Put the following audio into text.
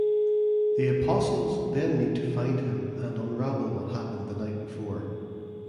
The apostles then need to find him and unravel what happened the night before.